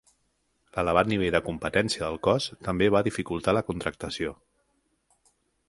L'elevat nivell de competència del cos també va dificultar la contractació.